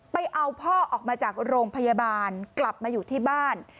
ไปเอาพ่อออกมาจากโรงพยาบาลกลับมาอยู่ที่บ้าน